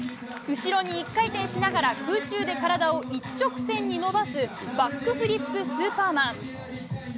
後ろに１回転しながら空中で体を一直線に伸ばすバックフリップスーパーマン。